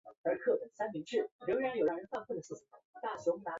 输精管是人和动物体内输送精子的生殖管道。